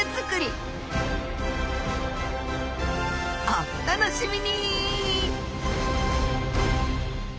おっ楽しみに！